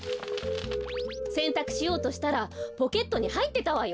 せんたくしようとしたらポケットにはいってたわよ。